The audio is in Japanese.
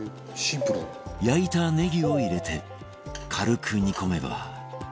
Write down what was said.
焼いたネギを入れて軽く煮込めば